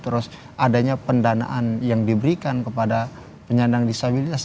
terus adanya pendanaan yang diberikan kepada penyandang disabilitas